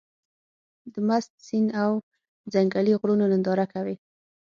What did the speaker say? د مست سيند او ځنګلي غرونو ننداره کوې.